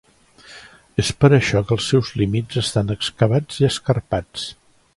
És per això que els seus límits estan excavats i escarpats.